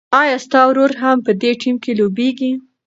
ایا ستا ورور هم په دې ټیم کې لوبېږي؟